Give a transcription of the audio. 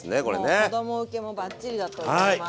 もう子ども受けもバッチリだと思います。